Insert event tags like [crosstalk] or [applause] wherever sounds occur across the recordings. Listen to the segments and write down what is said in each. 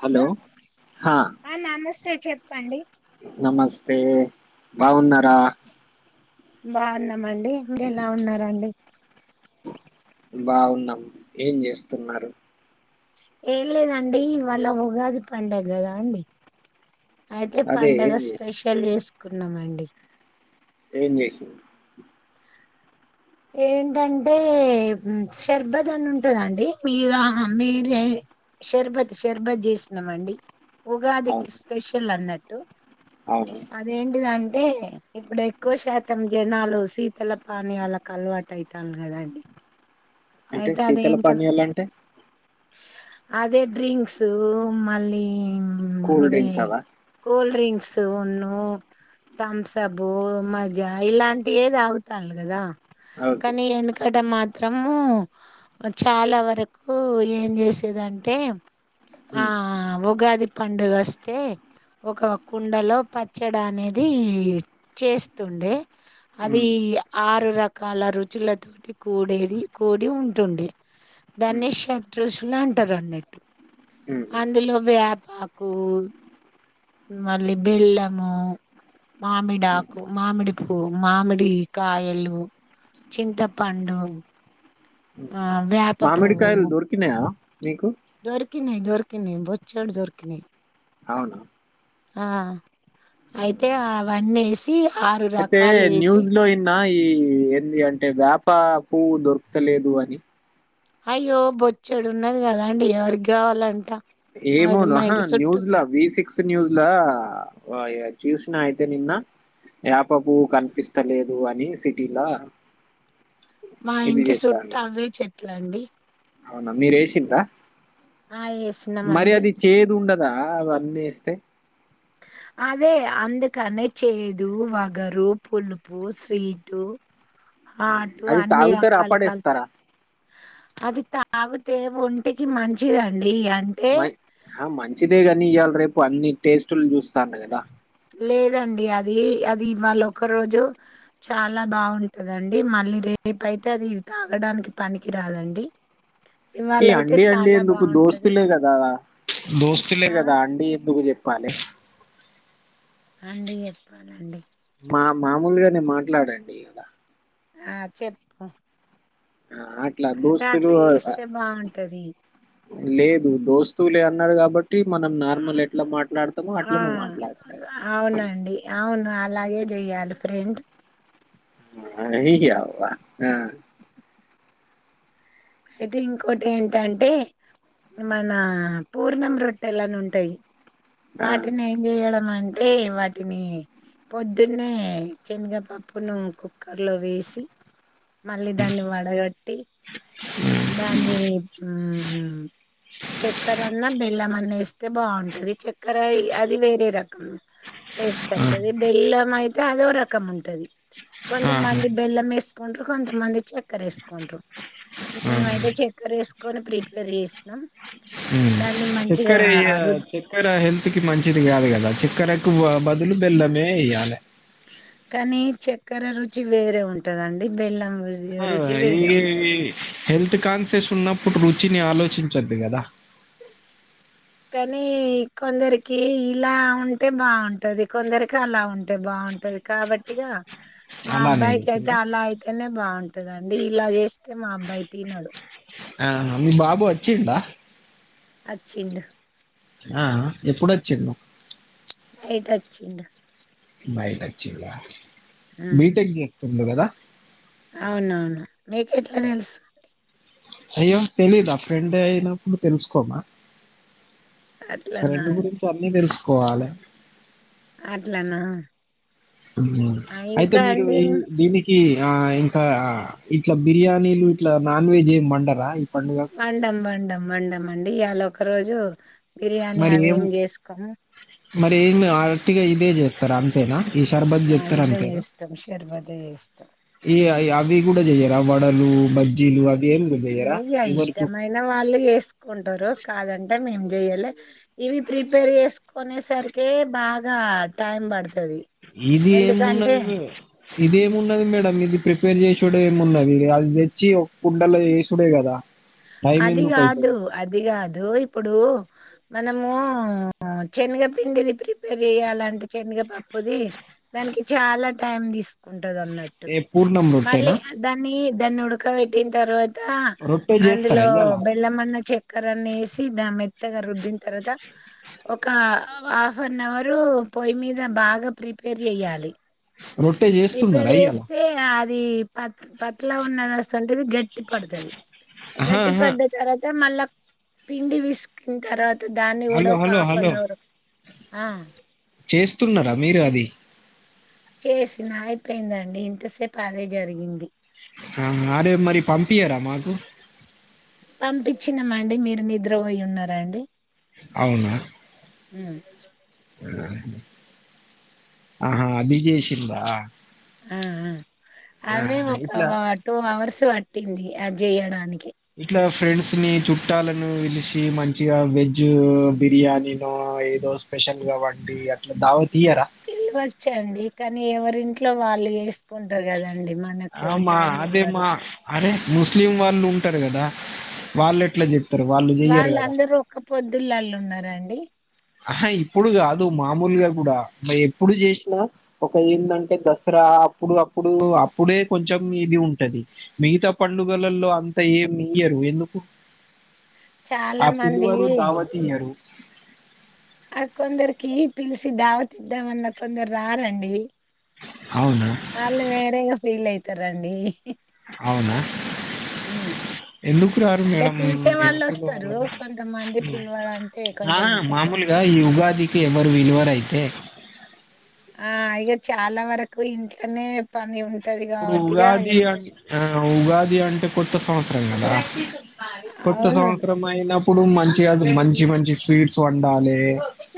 Hello హా అ నమస్తే చెప్పండి, నమస్తే బాగున్నారా, బాగున్నామండి ఎలా ఉన్నారండి, బాగున్నాం ఏం చేస్తున్నారు. ఏం లేదండి వాళ ఉగాది పండగ కదా అండి అయితే అదే పండగ ఏం చేసి స్పెషల్ చేసుకున్నామండి. ఏంచేసిర్రు ఏంటంటే షర్బత్ అని ఉంటందండి మీరు మీరే షర్బత్ షర్బత్ చేసినమండి, ఉగాదికి అవును స్పెషల్ అన్నట్టు అవును అదేంటిదింటే ఇప్పుడు ఎక్కువ శాతం జనాలు శీతల పానీయాలకు అలవాటయితలు కాదండి, అంటే శీతలపానీయలు అంటే అదే డ్రింక్స్ మళ్ళీ హు కూల్ ఇది డ్రింక్స్ అవా కూల్ డ్రింక్స్ ఉను తంసబూ, మజా ఇలాంటివే తాగుతాలు కదా ఓకే కానీ వెనకట మాత్రం చాలా వరకు ఏం చేసేదంటే, ఆ ఉమ్, ఉగాది పండుగ వస్తే ఒక కుండలో పచ్చడి అనేది చేస్తుండే అది ఉమ్, ఆరు రకాల రుచులతోటి కుడేది కుడి ఉంటుండే, ఉమ్, దాన్ని షత్ర్రఋషులు అంటారు అన్నట్టు ఉమ్. అందులో వేప కు మళ్ళీ బెల్లము మామిడి ఆకు, మామిడి పువ్వు, మామిడి కాయలు, చింతపండు, ఆ వేప పూవ్వు మామిడికాయలు దొరికినాయా మీకు దొరికినాయి, దొరికినాయి బొచ్చెడు దొరికినాయి, అవునా ఆ అయితే అవన్నీ వేసి ఆరు అయితే రకాలు వేసి న్యూస్ లో విన్న ఈ ఏంది అంటే వేప పువ్వు దొరుకుతా లేదు అని అయ్యో బొచ్చేడున్నది కదా అండి ఎవరికి కావాలంట మాది ఏమోను మా ఇంటి చుట్టూ న్యూస్ వి సిక్స్ న్యూస్ లా చూస్ అయితే నిన్న యాప పువ్వు కనిపిస్తలేదు అని సిటీలా మా ఇది ఇంటి సుట్టు జెత్తాండు. అవే చెట్లండీ అవునా మీరే సిల్లా ఆ మరి వేసినామండి అది చేదు ఉండ దా అవన్నీ వేస్తే అదే అందుకని చేదు వగరు పులుపు స్వీటు అ ఆటు అన్నీ రాకల్ కల్ అది తాగుత్ తే ఒంటికి మంచిదండి ఈయ మ మంచిదే కానీ ఇయ్యాల రేపు అన్ని టేస్టులు చూస్త లేదండి అది అది ఇవాళ ఒక రోజు చాలా బాగుంటదండి మళ్ళీ రేపు అయితే అది అది ఇది తాగడానికి పనికి రాదండి ఈ ఇవాళయితే అండి అండి చాలా ఎందుకు బాగుంటది దోస్తులే కదా దోస్తులే ఆ! కదా అండి ఎందుకు చెప్ పాలే అండి చెప్పాలండి మా మామూలుగానే మాట్లాడండి ఇడ ఆ చెప్పు ఆ అట్లా అయితే దోస్తులు అట్లా ఆ చేస్తే బాగుంటది. లేదు దోస్త్ స్తులే అన్నారు కాబట్టి మనం ఆ! నార్మల్ ఎట్లా మాట్లాడతామో అట్లనే మాట్లాడతాం అవునండి. అవును అలాగే చెయ్యాలి ఫ్రెండ్ హరి యవ్వ ఆ అయితే ఇంకోటి ఏంటంటే మన పూర్ణం రొట్టెలని ఉంటాయి ఆ. వాటిని ఏం చేయడం అంటే టే వాటిని పొద్దున్నే శనగపప్పును కుక్కర్ లో వేసి మళ్ళీ దాన్ని వడగట్టి దాని చక్కరన్నా బె బెల్లం అన్న వస్తే బాగుంటది చక్కెర అది వేరే రకం టేస్ట్ ఆహా. అత్తది బెల్లం అయితే అదో రకం ఉంటది ఆహా. కొంతమంది బెల్లం వేసుకో కొంటారు కొంత మంది చక్కర వేసుకుంటారు మేమైతే చెక్కర్ వేసుకొని ప్రిపేర్ చేసినాం దాన్ని చక్కర మంచిగా ఇక రుద్ద చక్కెర హెల్త్ కి మంచిది కాదు కదా చక్కెర కువ్వ బదులు బెల్లమే ఎయ్యాలే కానీ చక్కెర రుచి వేరే ఉంటదండి బెల్లం రుచి రుచి వేరే ఇగ ఈ ఉంటది హల్త్ కాన్సెస్ ఉన్నప్పుడు రుచిని ఆలోచించద్దు కదా కానీ కొందరికి ఇలా ఉంటే బాగుంటది కొందరికి అలా ఉంటే బాగు బాగుంటది కాబట్టిగా మా అలానే అబ్బాయికి అయితే చేసిందా? అలా అయితేనే బాగుంటందండి ఇలా చేస్త అతే మా అబ్బాయి తినడు ఆ మీ బాబు వచ్చిడా ఆచ్చిండు ఆ ఎప్పుడొచ్చిండు అయితచ్చిండు బైట్ ఆచ్చిందా బీటెక్ చేస్తుండు కదా అవునవును మీకెట్లా తెలుసు అండి అయ్యో తెలియదా ఆ ఫ్రెండ్ అయినప్పుడు తెలుసుకోమా అట్లనా ఫ్రెండ్ అండి గురించి అన్ని తెలుసుకోవాలే అట్లనా ఆ! అయితే ఇంకా మీరు అండి ఈ దీనికి ఆ ఇంకా ఇట్లా బిర్యానీలు ఇట్లా నాన్ వెజ్ ఏం వండరా పండుగ? వండం వండ వండ అండి ఇలా ఒక రోజు బిర్యానీ మరి అవి ఏం చేసుకోము మరి ఏమి అరటిగా ఇదే చేస్తారు అంతేనా ఈ శర్బత్ ఆ ఇవే చెప్తారుంటారా చేస్తాం షర్బతే చేస్తాం ఈ అవి కూడా చెయరా వడలు బజ్జీలు అ ఇష్టమైన వాళ్ళు వేసుకుంటారు కాదంటే మేము చెయాలి ఇవి ప్రిపేర్ చేసుకునే సరికిే బాగా టైం పడుతుది ఇది ఏంన్నది ఇదిేమున్నది మేడ ఇది ప్రిపేర్ చేసడు ఏమున్నది అది తెచ్చి ఒక పుడ్ండలో చేసడే కదా అదిిగా అదు అదిిగా అదు ఇ ఇప్పుడు మనము శనగపిిండిది ప్రిపేర్ చెయాలంటే శనగపప్పు పోది దానికి చాలా టైం తీసుకుంటు ఉంటదున్నట్టు ఏ పూర్ణం మళ్ళీ రొట్టెనా దాన్ని దాన్ని ఉడకబెట్టిన తర్వాత రొట్టె అందులో చేస్తారా ఇయ్యాల బెల్లమన్న చెక్ క్కరన్ని వేసి దా మెత్తగా రుబ్బిన తర్వాత ఒక హాఫ్ అన్ అవరు పొయ్యి మీద బాగా ప్రిపేర్ చేయాలి రొట్టె ప్రిపేర్ చేస్తున్నారా ఇయ్యాల చేస్తే అది పత్ పట్లా ఉన్నది వస్తు అంటేది గట్టి పడుతుది ఆహా గట్టి ఆహా పడ్డ తర్వాత మళ్ళా పిండి విసుకన తర్వాత దాన్ని కూడా హలో ఒక hello half hello an hour ఆ చేస్తున్నారా మీరు అది చేసిన అయిపోయిందండి ఇంతసేపు అదే జరిగింది ఆ అరే మరి పంపీయరా మాకు పంపించినమండి మీరు నిద్రపోయి ఉన్నారాండి అవునా ఆ ఆహా అవి జేషిరా ఆ అవే ఒక ఇట్లా టూ అవర్స్ పట్టింది అది చేయడానికి ఇట్లా ఫ్రెండ్స్ ని చుట్టాలను పిలిచి మంచిగా వెజ్ బిర్యానీలో ఏదో స్పెషల్ గా వండి అట్లా దావ పిల్లవచ్చండి కానీ ఎవరింట్లో వాళ్ళు వేసుకుంటారు కదండి మనకు ఆమా టైం ఇవ్వరు. అదేమా అరే ముస్లిం వాళ్ళు ఉంటారు కదా వాళ్ళు ఎట్లా చెప్ వాళ్ళందరుూ ఒక పొద్దుల ళ్ళఉన్నరండి ఆహా ఇప్పుడు కాదు మామూలుగా కూడా మరి ఎప్పుడు చేసినా ఒక ఏందాంటే దసరా అప్పుడు అప్పుడు అప్పుడే కొంచెం ఇది ఉంటంది మిగతా పండుగలలో అంత ఏం మీయరు ఎందుకు చాలా ఆ మంది పిలువరు దావతయరు ఆ కొందరికిీ పిలిసి దావతిద్దామన్న కొందరు రారండి అవునా వాళ్ళు వేరేగా ఫీల్ అఇతారంండి అవునా ఉమ్ ఎందుకు రారు అంటే మేడం పిలిచే ఏం వాళ్ళు వస్తారు పిలవాలి కొంతమంది పిలవాలంటే కొంచెం మామూలుగా ఆ ఉగాదికి ఎవరు విలువర అయితే ఆ ఇగ చాలా వరకు ఇంట్లోనే పని ఉంటు ఇప్పుడు ఉగాది అ ఆ ఉగాది అంటే కొత్త సంవత్సరం కదా కొత్త అవును సంవత్సరం అయినప్పుడు మంచి అదు మంచి మంచి స్వీట్ ండాలే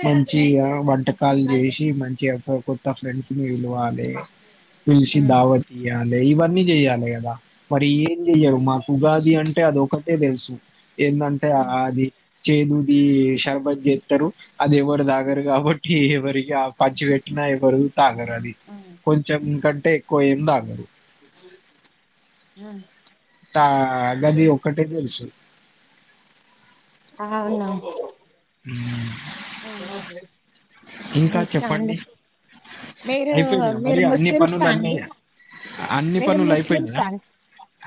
మంచి వంటకాలు చేసి మంచి ఎఫ ఫ్రెండ్స్ విలువానే పిల్చి ఉమ్ దావత్ అది ఇవన్నీ చెయ్యాలి కదా మరి ఏం చెయ్యరు మాకు ఉగాది అంటే అది ఒకటే తెలుసు ఏందంటే ఉమ్ అది చేదుది షర్బత్ చేత్తారు అది ఎవరు దాగరు కాబట్టి ఎవరికి పచ్చి పెట్టిన ఎవరు తాగరు అది ఉమ్ కొంచెం కంటే ఎక్కువ ఏం తాగరు హ తా గదీ ఒక్కటే తెల్సు ఆవ్న ఇంక ఇంకా చెప్పండి అండి మీరు ఐపేయ్నాయ మరి మీరు అన్ని ముస్లిమ్సా పనులన్నీ అండి అన్ని మీరు పనులైపెయినాయ ముస్లిమ్సా అండి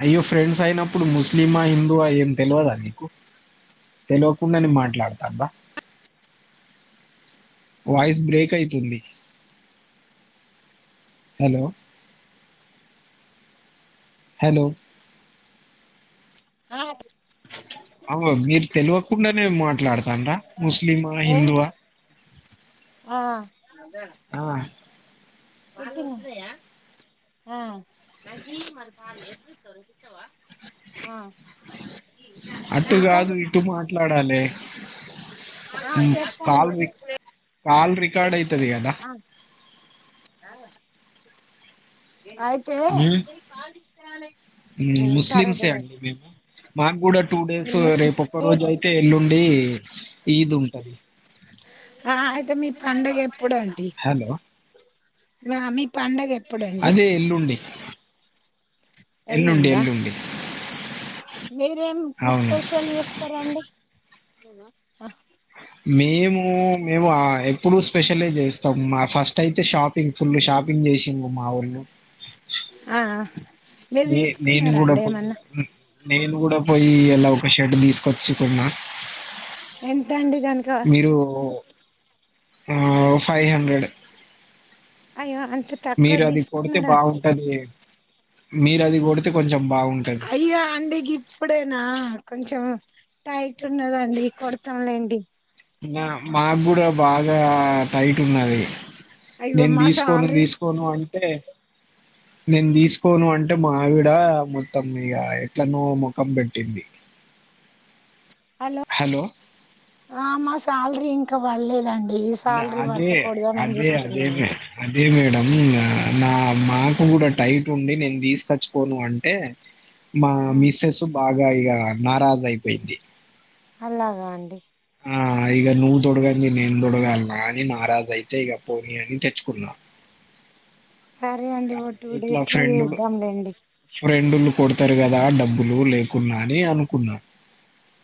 అయ్యో ఫ్రెండ్స్ అయినప్పుడు ముస్లిమా హిందూవా ఏం తెల్వదా నీకు తెల్వకుండనే మాట్లాడతాంద వాయిస్ బ్రేక్ ఐతుంది హలో హెలో ఆహ అవో మీర్ తెల్వకుండనే మాట్లాడ్ ద ముస్లిమా హిందూవ ఏంటి ఆ ఆ ఆ మాకీ మరి పాలు ఎప్పుడిత్తవ్ రేపిత్తవ ఆ అటు ఇంకా గాదు ఇటు మాట్లాడ్ ఆ మ్ చెప్పండి కాల్ రి కాల్ రికార్డ్ ఐతది గదా ఐతే మ్ ముస్లిమ్సే అండి మేము మాగూడా టూ డేస్ మీరు ముస్లిం రేపు ఒక్క రోజు ఐతే ఎల్లుండి ఈద్ ఉంటది ఆ ఐతే మీ పండగేప్పుడుండి హలో హా మీ పండగేప్పుడండి అదే ఎల్లుండి ఎల్లుండి ఎల్లుండి మీరేమ్ అవును స్పెషల్ చేస్తరండి మేమూ మేము అ ఎప్పుడు స్పెషలే జేసస్తం మా ఫస్ట్ ఐతే షాపింగ్ ఫుల్లు షాప్ పింగ్ చేశిల్లు మా ఓల్లు ఆ అ నే నేను గుడా పోద్దున నేను గుడా పోయి ఈ ఇలా ఒక షర్ట్ తీస్కోచ్చుకున్న ఎంతండి దాని కాస్ ఆ ఫైహ్ హండ్రెడ్ అయో అన్ మీరది కొడితే బాగుంటదీ మీరది కొడ్ అయ్యో అండి గిప్పుడేనా కొంచం టైట్ ఉన్నదండి కొడ్తం లేండి అ మాగూడా బాగా టైట్ ఉన్నది అయ్యో నేన్ మా తీస్కోను సాలరీ తీస్కోను అంటే నేన్ తీస్కోను అంటే మావిడా మొత్తం ఇగ ఎట్లనో మోఖం బెట్టింది హలో ఆ మా సాల్రీ ఇంక పడలేదం నాకే అదే అదే అదే చూస్తున్నామండి అదే మేడంఅ నా మాకు గుడా టైట్ ఉండి నేన్ తీస్కచ్చుకోను అంటే మా ఉమ్, మిస్సెస్ బాగ్ గా ఇగ నారాజైపోయింది అలాగా అండి ఆ ఇగ నువ్వు తొడ్గంది నేన్ తొడ్గాల్నా అని నారాజైతే ఇగ పోనీ అని తెచ్చుకున్న [inaudible] సరే అండి ఒ టూ డేస్లా చేద్దాంలేండి ఫ్రేండుళ్ళు కొడ్తరు గదా డబ్బులు లేకున్నా అని అనుకున్నా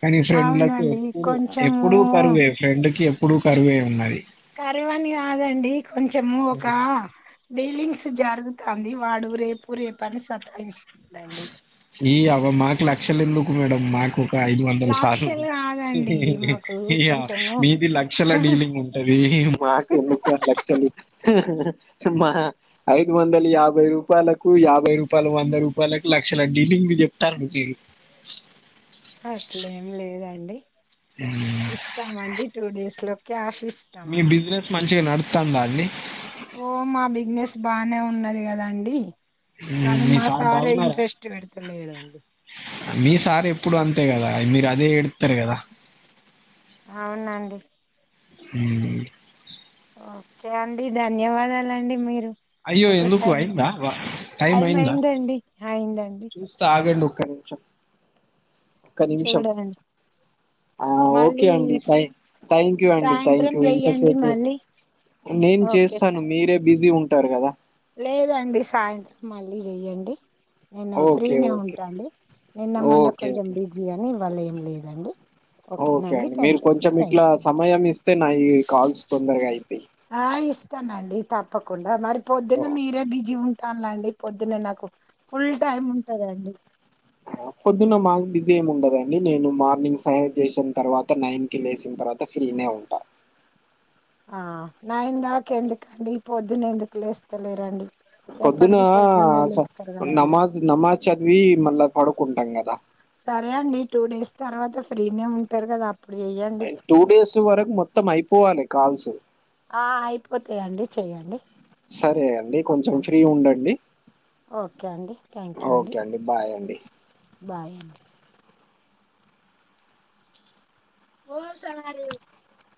కాని ఫ్రెండ్లకు అవునండి ఎప్పుడు కొంచెము ఎప్పుడూ కరువే ఫ్రెండ్కి ఎప్పుడూ కరువే ఉన్నది కర్వని కాదండి కొంచము ఒక డీలింగ్స్ జర్గుత తాంది వాడు రేపు రేపు అని సతాయిస్తుందండి ఈ మాకు లక్షలు ఎందుకు మేడం మాకు ఒక ఐదు వందల సార్లు లాక్షలు కాదండి మాకు ఇ్య కొంచెము మీది లక్షల డీలింగ్ ఉంటది మాకు ఎందుకు లక్షలు మా ఐదు వందలు యాభై రూపాయలకు యాభై రూపాయలు వంద రూపా వా లక్ష డీలింగ్ చెప్తారు అట్లేం లేదండి ఇస్తామండి టూ డేస్ లోకి ఆఫ మీ బిజినెస్ మంచిగా నడుస్తాం అండి ఓ మా బిజినెస్ బానే ఉన్నది కదాండి కానీ మీ మా సార్ సారే బాగున్నారా ఇంటంట్రెస్ట్ పెడతులే ఏవడి మీ సారి ఎప్పుడు అంతే కదా మీరు అదే ఏడుతారు కదా అవునండి ఉహు ఓకే అండి ధన్యవాదాలండి మీరు అయ్యో నాకు ఎందుకు టైమ్ అయిందా వ- టైం అయిందా అయిందండి అయిందండి చూస్తా ఆగండి ఒక నిమిషం ఒక్క నిమిషం చూడండి ఆ ఓకే మళ్ళీ అండి థాం థాంక్యూ అండి సాయంత్రం థాంక్యూ చెయ్యండి ఇంతసేపు మళ్ళీ నేను ఓకే చేస్తాను సార్ మీరే బిజీ ఉంటారు కదా లేదండి సాయంత్రం మళ్ళీ చెయ్యండి నేను ఓకే ఫ్రీనే ఓకే ఉంటాండి నిన్న మొన్న ఓకే కొంచెం ఓకే బిజీ అని ఇవాళ ఏం లేదండి ఓకే ఓకేనండి అండి మీరు థ్యాంక్ యూ అండి కొంచెం థ్యాంక్ ఇట్లా యూ సమయం ఇస్తే నా ఈ కాల్స్ తొందరగా అయితయి ఆ ఇస్తానండి తప్పకుండా మరిపో ఓ, పొద్దున్న మీరే బిజీ ఉంటానులా అండి పొద్దున్న నాకు ఫుల్ టైమ్ ఉంటందండి పొద్దున్న మాకు బిజీ ఏమి ఉండదండి నేను మార్నింగ్ సైన్ చేసిన తర్వాత నైన్ కి లేసిన తర్వాత ఫ్రీలే ఉంటా ఆ నైన్ దాకా ఎందుకండి ఈ పొద్దున్న ఎందుకు లేస్తలేరండి పొద్దున ఎప్పటికి పొద్దున్నే లేస్తారు కదండి నమాజ్ నమాజ్ చదివి మల్ల పడుకుంటాం కదా సరే అండి టూ డేస్ తర్వాత ఫ్రీనే ఉంటారు కదా ఆ టూ డేస్ వరకు మొత్తం అయిపోవాలి కాల్స్ అయిపోతయండి చెయ్యండి సరే అండి ఓకే కొంచెం అండి ఫ్రీ ఉండండి ఓకే అండి థ్యాంక్యూ అండి ఓకే బాయ్ అండి బాయ్ అండి [unintelligible]